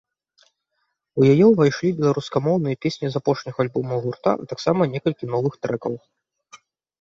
У яе ўвайшлі беларускамоўныя песні з апошніх альбомаў гурта, а таксама некалькі новых трэкаў.